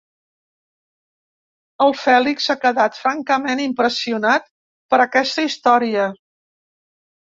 El Fèlix ha quedat francament impressionat per aquesta història.